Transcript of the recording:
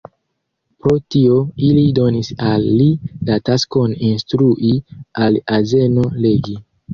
Pro tio ili donis al li la taskon instrui al azeno legi.